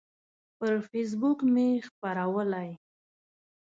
پر فیسبوک مې خپرولی